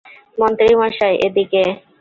মন্ত্রী মশাই, এদিকে!